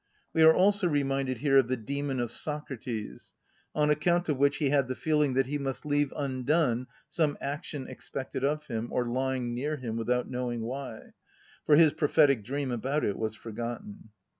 We are also reminded here of the dæmon of Socrates, on account of which he had the feeling that he must leave undone some action expected of him, or lying near him, without knowing why—for his prophetic dream about it was forgotten.